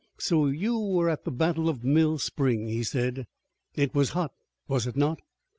"So you were at the battle of Mill Spring," he said. "It was hot, was it not?"